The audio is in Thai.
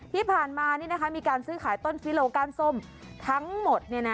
ที่ผ่านมามีการซื้อขายต้นฟิโลก้านส้มทั้งหมด